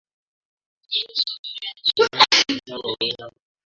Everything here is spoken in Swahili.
Wanyama walioathirika watenganishwe na walio salama